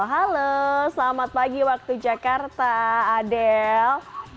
halo selamat pagi waktu jakarta adel